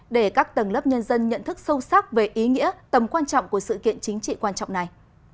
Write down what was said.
để các tầng lớp nhân dân nhận thức sâu sắc về ý nghĩa tầm quan trọng của sự kiện chính trị quan trọng này